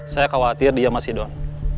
saya khawatir dia masih down